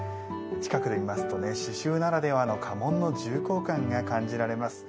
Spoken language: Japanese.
近くで見ますと刺しゅうならではの家紋の重厚感が感じられます。